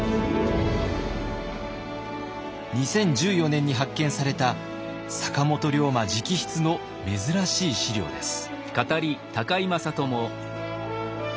２０１４年に発見された坂本龍馬直筆の珍しい史料です。